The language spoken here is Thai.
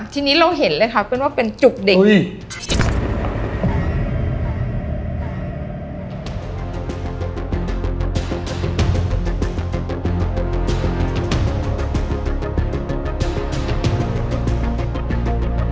ทีนี้เราเห็นเลยค่ะเป็นว่าเป็นจุกเด็ก